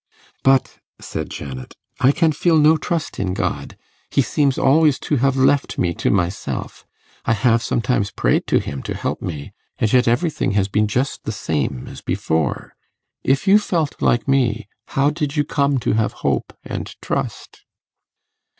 'But,' said Janet, 'I can feel no trust in God. He seems always to have left me to myself. I have sometimes prayed to Him to help me, and yet everything has been just the same as before. If you felt like me, how did you come to have hope and trust?